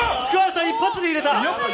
一発で入れた！